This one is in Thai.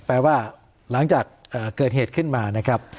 แปลว่าหลังจากเกิดเหตุขึ้นมานะครับ